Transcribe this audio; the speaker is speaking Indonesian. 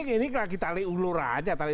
ini lagi talik ulur aja